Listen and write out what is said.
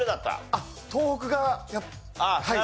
あっ東北がはい。